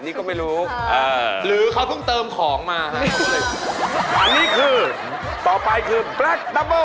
ที่ทาตัวเขาเรียกว่าอะไรครับ